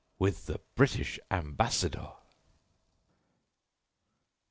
"With the British Ambassador!"